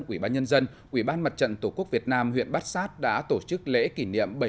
quỹ bán nhân dân quỹ bán mặt trận tổ quốc việt nam huyện bát sát đã tổ chức lễ kỷ niệm